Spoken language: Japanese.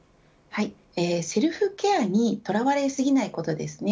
セルフケアにとらわれすぎないことです。